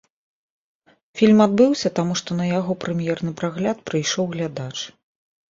Фільм адбыўся, таму што на яго прэм'ерны прагляд прыйшоў глядач.